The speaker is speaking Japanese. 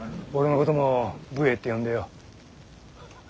俺のことも武衛って呼んでよ。